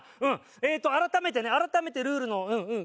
えっと改めてね改めてルールのうんうん